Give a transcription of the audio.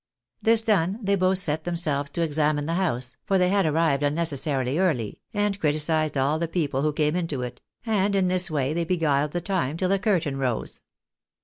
This done, they both set themselves to examine the house (for they had arrived unnecessarily early), and criticised all the people who came into it ; and in this way they beguiled the time tUl the curtain rose.